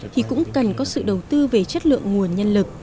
thì cũng cần có sự đầu tư về chất lượng nguồn nhân lực